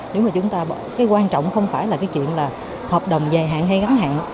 nếu mà chúng ta bỏ cái quan trọng không phải là cái chuyện là hợp đồng dài hạn hay gắn hạn